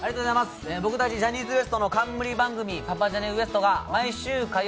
僕たちジャニーズＷＥＳＴの冠番組「パパジャニＷＥＳＴ」が毎週火曜